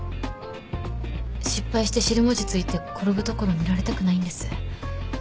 失敗して尻餅ついて転ぶところ見られたくないんです。